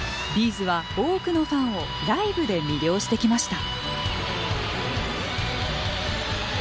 ’ｚは多くのファンをライブで魅了してきました。